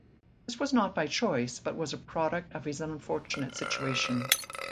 This was not by choice, but was a product of his unfortunate situation.